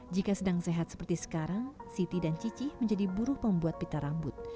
jika sedang sehat seperti sekarang siti dan cici menjadi buruh pembuat pita rambut